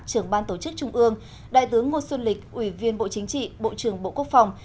trưởng ban tổ chức trung ương đại tướng ngô xuân lịch ủy viên bộ chính trị bộ trưởng bộ quốc phòng